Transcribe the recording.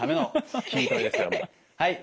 はい。